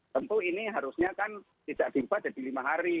tentu ini harusnya kan tidak diubah jadi lima hari